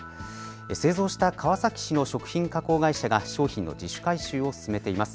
製造した川崎市の食品加工会社が商品の自主回収を進めています。